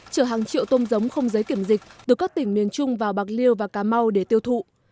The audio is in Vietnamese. chở hàng triệu tôm giống không giấy kiểm dịch từ các tỉnh miền trung vào bạc liêu và cà mau để tiêu thụ